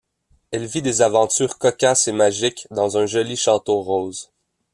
Elle vit des aventures cocasses et magiques dans un joli château rose...